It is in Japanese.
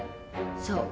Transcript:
そう。